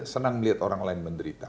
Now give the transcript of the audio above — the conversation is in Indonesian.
senang melihat orang lain menderita